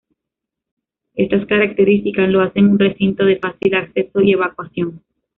Estas características lo hacen un recinto de fácil acceso y evacuación.